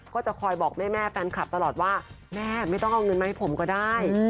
ก็จะคอยบอกแม่แฟนคลับตลอดว่าแม่ไม่ต้องเอาเงินมาให้ผมก็ได้